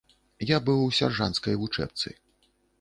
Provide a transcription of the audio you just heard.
Я быў у сяржанцкай вучэбцы.